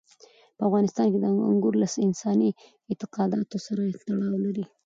په افغانستان کې انګور له انساني اعتقاداتو سره تړاو لري.